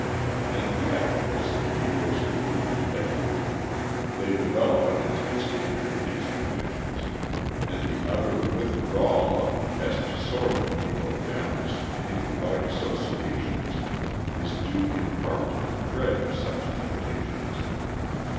And yet, as the Negroes begin to be educated, they develop an intense hatred of these conditions: and the utter withdrawal of the best sort of Negro families from any white associations is due in part to the dread of such temptations.